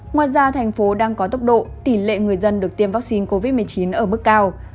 ngoài ra thành phố đang có tốc độ tỷ lệ người dân được tiêm vaccine covid một mươi chín ở mức cao